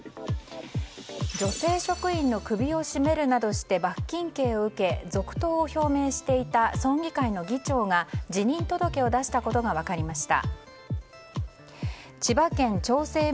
女性職員の首を絞めるなどして罰金刑を受け続投を表明していた村議会の議長が辞任届を出したことが分かりました。